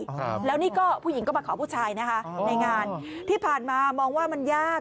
ครับแล้วนี่ก็ผู้หญิงก็มาขอผู้ชายนะคะในงานที่ผ่านมามองว่ามันยาก